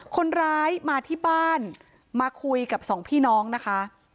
คนร้ายมาที่บ้านมาคุยกับสองพี่น้องนะคะ